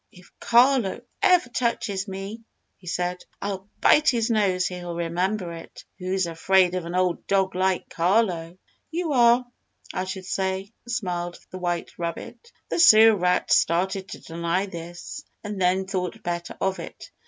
"If Carlo ever touches me," he said, "I'll bite his nose so he'll remember it. Who's afraid of an old dog like Carlo?" "You are, I should say," smiled the white rabbit. The Sewer Rat started to deny this, and then thought better of it.